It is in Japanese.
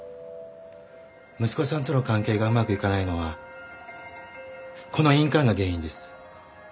息子さんとの関係がうまくいかないのはこの印鑑が原因です。